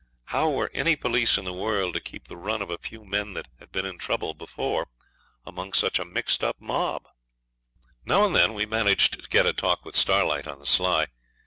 How were any police in the world to keep the run of a few men that had been in trouble before among such a mixed up mob? Now and then we managed to get a talk with Starlight on the sly.